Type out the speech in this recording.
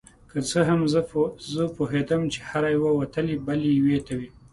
که څه هم زه پوهیدم چې هره یوه وتلې بلې یوې ته